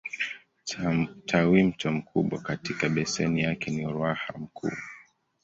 Tawimto mkubwa katika beseni yake ni Ruaha Mkuu.